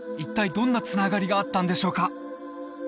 どんなつながりがあったんでしょうか？